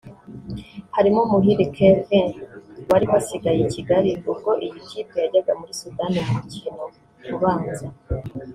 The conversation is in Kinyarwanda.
harimo Muhire Kevin wari wasigaye i Kigali ubwo iyi kipe yajyaga muri Sudani mu mukino ubanza